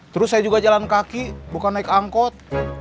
terus saya juga jalan kaki bukan naik angkot